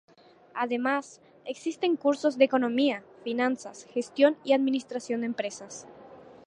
Además, existen cursos de economía, finanzas, gestión y administración de empresas.